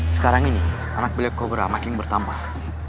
sekarang ini anak black cobra makin bertambah